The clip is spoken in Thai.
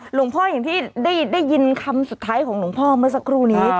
หลวงพ่ออย่างที่ได้ยินคำสุดท้ายของหลวงพ่อเมื่อสักครู่นี้